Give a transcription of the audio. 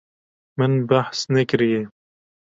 Min behs nekiriye.